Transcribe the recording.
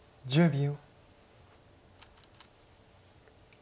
１０秒。